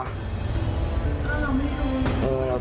ถ้าเราไม่รู้